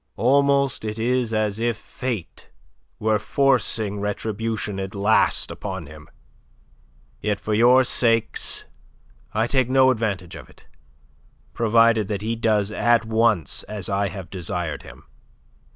Almost it is as if Fate were forcing retribution at last upon him. Yet, for your sakes, I take no advantage of it, provided that he does at once as I have desired him."